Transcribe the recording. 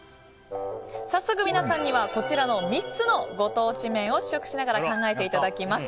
早速、皆さんにはこちらの３つのご当地麺を試食しながら考えていただきます。